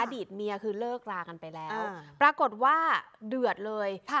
อดีตเมียคือเลิกรากันไปแล้วปรากฏว่าเดือดเลย